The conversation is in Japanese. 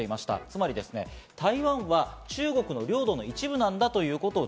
つまり台湾は中国の領土の一部なんだということを